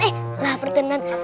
eh lapar tenan